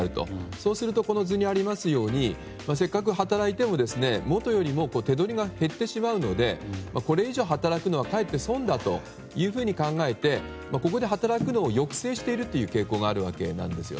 そうするとこの図にありますようにせっかく働いても元よりも手取りが減ってしまうのでこれ以上、働くのはかえって損だというふうに考えて、働くのを抑制しているという傾向があるわけです。